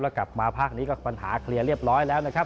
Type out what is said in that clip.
แล้วกลับมาภาคนี้ก็ปัญหาเคลียร์เรียบร้อยแล้วนะครับ